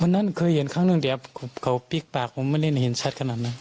วันนั้นเคยเห็นครั้งนึงแหละเดี๋ยวเขาปิ๊กปากผมไม่ในให้เห็นชัดขนาดนั้น